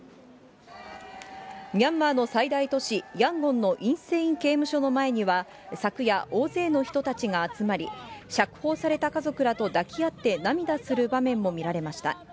ミャンマーの最大都市ヤンゴンのインセイン刑務所の前には、昨夜、大勢の人たちが集まり、釈放された家族らと抱き合って、涙する場面も見られました。